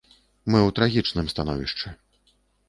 Мы ў трагічным становішчы.